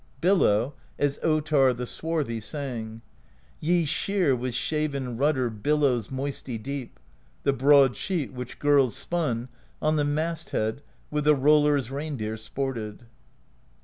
Billow, as Uttarr the Swarthy sang: Ye shear with shaven rudder Billows moisty deep; the broad sheet. Which girls spun, on the mast head With the Roller's Reindeer sported.